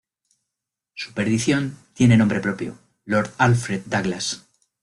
Su perdición tiene nombre propio: Lord Alfred Douglas.